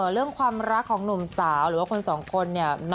เรื่องความรักของหนุ่มสาวหรือว่าคนสองคนเนี่ย